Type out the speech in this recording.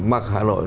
mặc hà nội